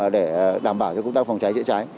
để đảm bảo cho công tác phòng cháy chữa cháy